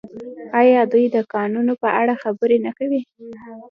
آیا دوی د کانونو په اړه خبرې نه کوي؟